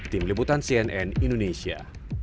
tim liputan cnn indonesia